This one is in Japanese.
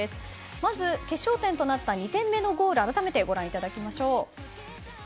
まず、決勝点となった２点目のゴール改めてご覧いただきましょう。